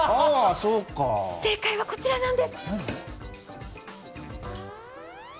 正解はこちらなんです。